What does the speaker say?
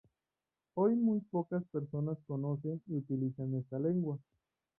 Hoy muy pocas personas conocen y utilizan esta lengua.